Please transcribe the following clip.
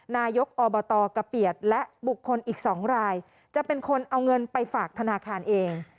นายกอบตกะเปียดและบุคคลอีก๒รายจะเป็นคนเอาเงินไปฝากธนาคารเอง